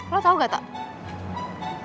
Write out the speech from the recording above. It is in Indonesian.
lo tau gak tata